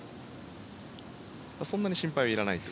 そんなに心配はいらないと。